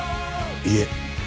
いえ。